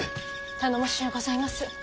頼もしゅうございます。